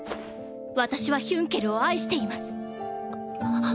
私はヒュンケルを愛しています。